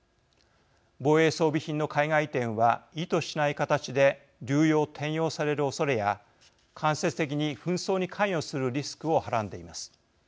防衛装備品の海外移転は意図しない形で流用・転用されるおそれや間接的に紛争に関与するリスクをはらんでいます。